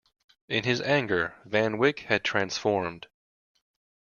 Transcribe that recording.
In his anger, Van Wyck had transformed.